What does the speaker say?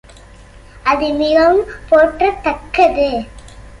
அது மிகவும் போற்றத்தக்கது ".